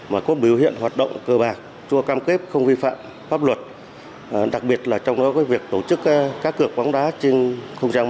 mà có biểu hiện hoạt động cơ bạc chua cam kết không vi phạm pháp luật đặc biệt là trong đó có việc tổ chức các cửa bóng đá trên không gian mạng